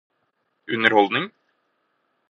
underholdning